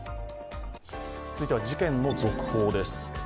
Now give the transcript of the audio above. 続いては、事件の続報です。